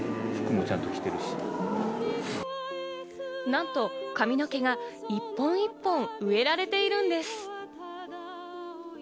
なんと髪の毛が一本一本、植えられているんです。